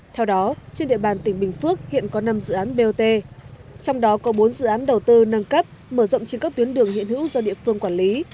theo đó trên địa bàn tỉnh bình phước hiện có năm dự án bot trong đó có bốn dự án đầu tư nâng cấp mở rộng trên các tuyến đường hiện hữu do địa phương quản lý